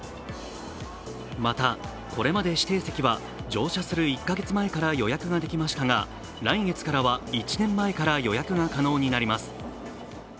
また、これまで指定席は乗車する１か月前から予約できましたが来月からは１年前から予約が可能になります。